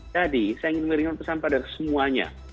jadi saya ingin mengirimkan pesan kepada semuanya